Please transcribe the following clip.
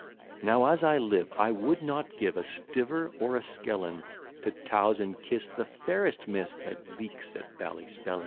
Now, as I live, I would not give A stiver or a skellin, To towse and kiss the fairest miss That leaks at Ballyspellin.